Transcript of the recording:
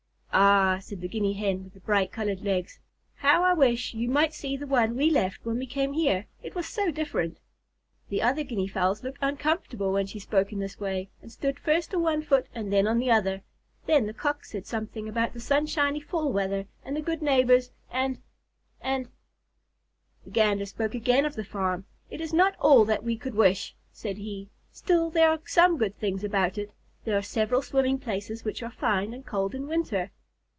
"Ah," said the Guinea Hen with the bright colored legs, "how I wish you might see the one we left when we came here. It was so different." The other Guinea Fowls looked uncomfortable when she spoke in this way, and stood first on one foot and then on the other. Then the Cock said something about the sunshiny fall weather, and the good neighbors, and and The Gander spoke again of the farm. "It is not all that we could wish," said he; "still there are some good things about it. There are several swimming places which are fine and cold in winter."